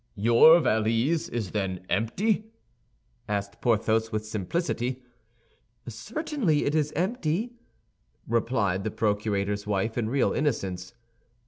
"Your valise is then empty?" asked Porthos, with simplicity. "Certainly it is empty," replied the procurator's wife, in real innocence.